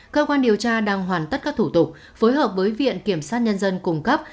cơ quan điều tra đang hoàn tất các thủ tục phối hợp với viện kiểm sát nhân dân cung cấp